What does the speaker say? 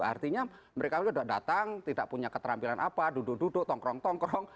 artinya mereka sudah datang tidak punya keterampilan apa duduk duduk tongkrong tongkrong